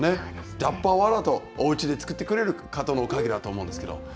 ダッバーワーラーとおうちで作ってくれる方のおかげだと思うんですが。